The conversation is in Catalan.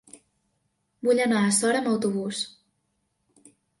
Vull anar a Sora amb autobús.